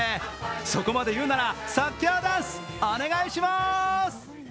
そこまで言うなら、即興ダンスお願いします。